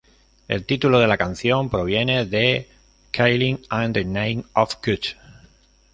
El título de la canción proviene de "Killing In the Name of God".